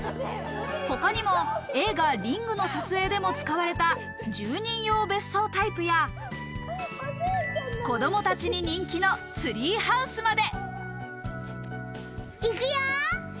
他にも映画『リング』の撮影でも使われた１０人用別荘タイプや、子供たちに人気のツリーハウスまで。